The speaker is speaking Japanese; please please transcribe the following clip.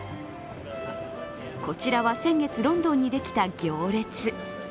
こちらは先月ロンドンにできた行列。